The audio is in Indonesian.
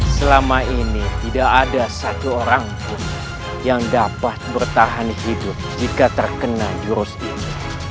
selama ini tidak ada satu orang pun yang dapat bertahan hidup jika terkena virus ini